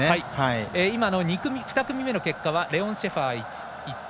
今の２組目の結果はレオン・シェファーが１着。